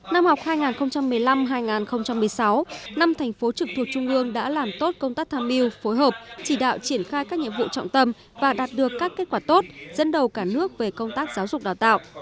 năm học hai nghìn một mươi năm hai nghìn một mươi sáu năm thành phố trực thuộc trung ương đã làm tốt công tác tham mưu phối hợp chỉ đạo triển khai các nhiệm vụ trọng tâm và đạt được các kết quả tốt dẫn đầu cả nước về công tác giáo dục đào tạo